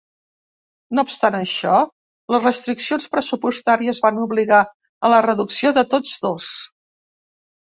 No obstant això, les restriccions pressupostàries van obligar a la reducció de tots dos.